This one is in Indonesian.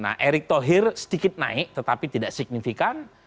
nah erick thohir sedikit naik tetapi tidak signifikan